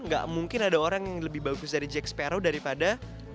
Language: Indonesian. gak mungkin ada orang yang lebih bagus dari jack sparrow daripada